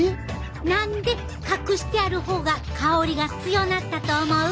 何で隠してある方が香りが強なったと思う？